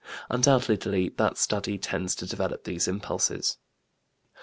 Undoubtedly that study tends to develop these impulses.